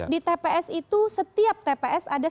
di tps itu setiap tps ada